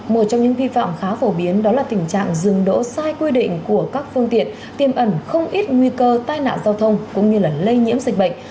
một trong những vi phạm khá phổ biến đó là tình trạng dừng đỗ sai quy định của các phương tiện tiêm ẩn không ít nguy cơ tai nạn giao thông cũng như lây nhiễm dịch bệnh